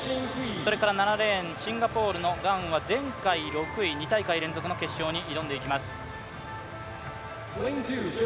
それから７レーン、シンガポールのガンは前回６位、２大会連続の決勝に挑んでいきます